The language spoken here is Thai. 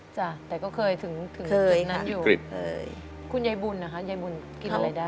จ้ะแต่ก็เคยถึงถึงจุดนั้นอยู่คุณยายบุญนะคะยายบุญกินอะไรได้